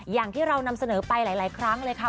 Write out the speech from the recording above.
อย่างที่เรานำเสนอไปหลายครั้งเลยค่ะ